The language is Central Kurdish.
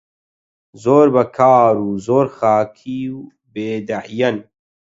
زۆر بەکار و زۆر خاکی و بێدەعیەن